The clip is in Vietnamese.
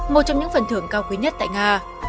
một trong những phần thưởng cao quý nhất tại nga